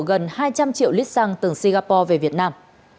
gần hai trăm linh triệu lít xăng từ singapore về việt nam